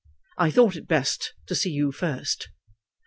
I thought it best to see you first."